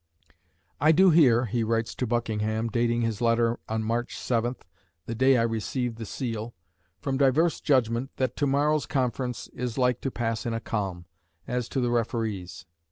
"I do hear," he writes to Buckingham (dating his letter on March 7th, "the day I received the seal"), "from divers of judgement, that to morrow's conference is like to pass in a calm, as to the referees.